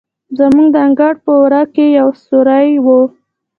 زموږ د انګړ په وره کې یو سورى و.